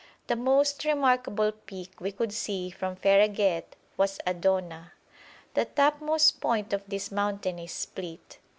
The most remarkable peak we could see from Fereghet was Adouna. The topmost point of this mountain is split.